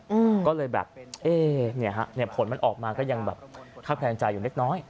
อืมก็เลยแบบเอ๊เนี่ยฮะเนี้ยผลมันออกมาก็ยังแบบคาบแคลงใจอยู่เล็กน้อย